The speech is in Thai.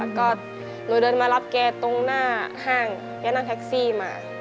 แล้วก็หนูเดินมารับแกตรงหน้าห้างยังนั่งมา